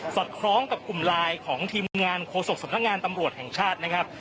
อดคล้องกับกลุ่มไลน์ของทีมงานโฆษกสำนักงานตำรวจแห่งชาตินะครับ